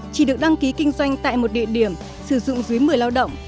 chỉ được đăng ký kinh doanh tại một địa điểm sử dụng dưới một mươi lao động